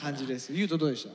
優斗どうでした？